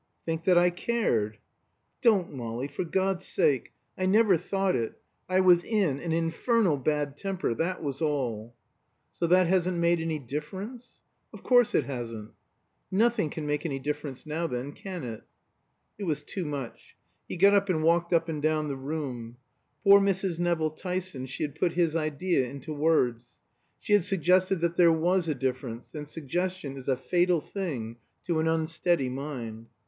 "Think that I cared." "Don't, Molly, for God's sake! I never thought it. I was in an infernal bad temper, that was all." "So that hasn't made any difference?" "Of course it hasn't." "Nothing can make any difference now then, can it?" It was too much. He got up and walked up and down the room. Poor Mrs. Nevill Tyson, she had put his idea into words. She had suggested that there was a difference, and suggestion is a fatal thing to an unsteady mind.